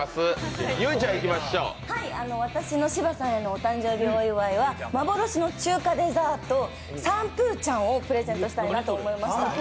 私の芝さんへのお誕生日お祝いは幻の中華デザート、サンプーチャンをプレゼントしたいなと思いました。